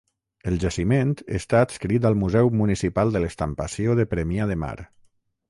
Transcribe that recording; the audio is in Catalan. El jaciment està adscrit al Museu Municipal de l'Estampació de Premià de Mar.